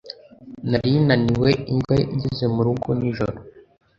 Nari naniwe imbwa ngeze murugo nijoro